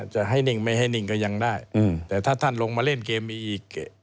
จะให้นิ่งไม่ให้นิ่งก็ยังได้แต่ถ้าท่านลงมาเล่นเกมมีอีก